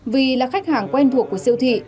vì là khách hàng quen thuộc của siêu thị